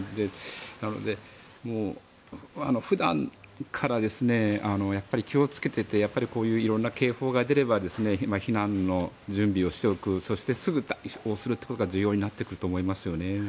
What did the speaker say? なので、普段から気をつけていてこういう色んな警報が出れば避難の準備をしておくそしてすぐ対応するということが重要になってくると思いますよね。